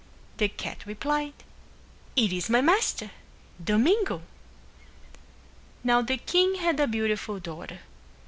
The cat replied, "It is my master, Domingo." Now the king had a beautiful daughter.